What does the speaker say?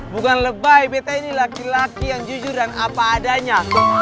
bukan lebay beta ini laki laki yang jujur dan apa adanya